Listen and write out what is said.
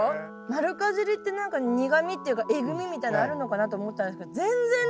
丸かじりって何か苦みっていうかえぐみみたいのあるのかなと思ったんですけど全然ない。